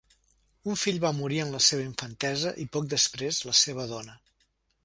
Un fill va morir en la seva infància, i poc després, la seva dona.